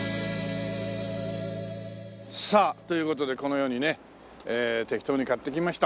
さあという事でこのようにね適当に買ってきました。